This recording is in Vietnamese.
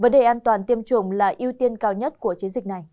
vấn đề an toàn tiêm chủng là ưu tiên cao nhất của trẻ